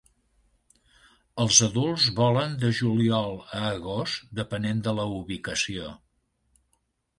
Els adults volen de juliol a agost, depenent de la ubicació.